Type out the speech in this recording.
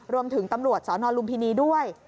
รวมถึงตำรวจสนลุมพินีด้วย